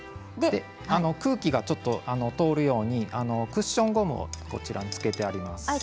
空気がちょっと通るようにクッションをつけてあります。